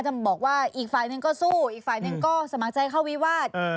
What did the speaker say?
จะบอกว่าอีกฝ่ายหนึ่งก็สู้อีกฝ่ายหนึ่งก็สมัครใจเข้าวิวาส